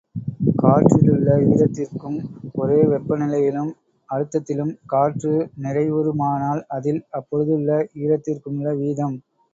காற்றிலுள்ள ஈரத்திற்கும், ஒரே வெப்பநிலையிலும் அழுத்தத்திலும் காற்று நிறைவுறுமானால் அதில் அப்பொழுதுள்ள ஈரத்திற்குமுள்ள வீதம்.